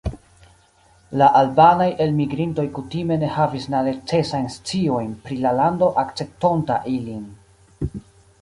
La albanaj elmigrintoj kutime ne havis la necesajn sciojn pri la lando akceptonta ilin.